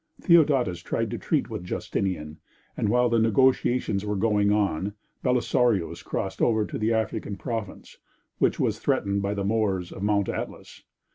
Theodatus tried to treat with Justinian, and while the negotiations were going on, Belisarius crossed over to the African province, which was threatened by the Moors of Mount Atlas.